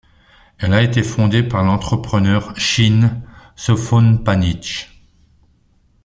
Elle a été fondée par l'entrepreneur Chin Sophonpanich.